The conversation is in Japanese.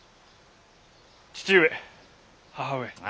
父上母上。